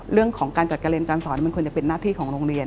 เรื่องของการจัดการเรียนการสอนมันควรจะเป็นหน้าที่ของโรงเรียน